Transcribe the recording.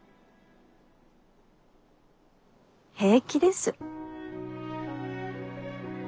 平気です。